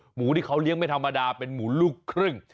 หมูที่เขาเลี้ยงไม่ธรรมดาเป็นหมูลูกครึ่ง